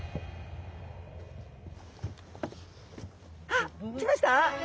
あっ来ました！？